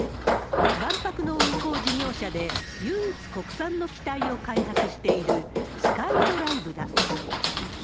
万博の運航事業者で、唯一国産の機体を開発しているスカイドライブだ。